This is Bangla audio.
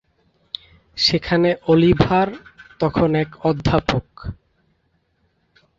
সেখানে অলিভার তখন এক অধ্যাপক।